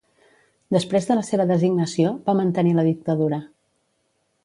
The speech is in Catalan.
Després de la seva designació, va mantenir la dictadura.